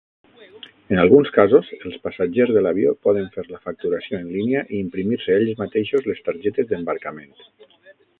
En alguns casos, els passatgers de l'avió poden fer la facturació en línia i imprimir-se ells mateixos les targetes d'embarcament.